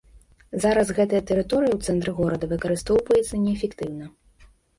Зараз гэтая тэрыторыя ў цэнтры горада выкарыстоўваецца неэфектыўна.